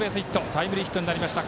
タイムリーヒットになりました。